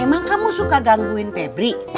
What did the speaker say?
emang kamu suka gangguin febri